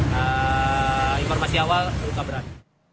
nah informasi awal luka berat